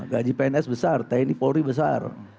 gaji pns besar tni polri besar